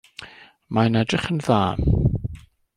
Mae'n edrych yn dda.